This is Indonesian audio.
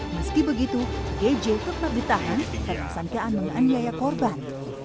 meski begitu gj tetap ditahan karena sangkaan menganiaya korban